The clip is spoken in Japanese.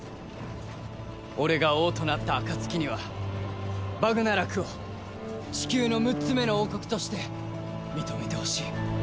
俺が王となった暁にはバグナラクをチキューの６つ目の王国として認めてほしい。